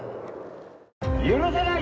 許せない！